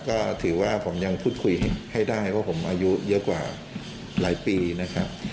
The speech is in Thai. ก็ถือว่าผมยังพูดคุยให้ได้เพราะผมอายุเยอะกว่าหลายปีนะครับ